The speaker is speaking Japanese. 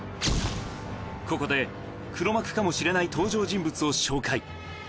ここで黒幕かもしれない登場人物を紹介